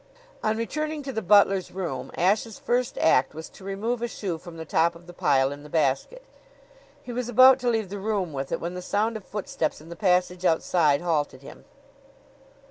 On returning to the butler's room, Ashe's first act was to remove a shoe from the top of the pile in the basket. He was about to leave the room with it, when the sound of footsteps in the passage outside halted him.